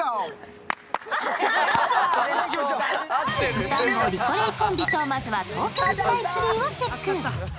うたんご・リコレイコンビとまずは東京スカイツリーをチェック。